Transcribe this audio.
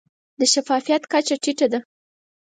د شفافیت کچه ټیټه ده.